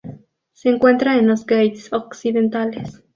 Se encuentra en los Ghats occidentales.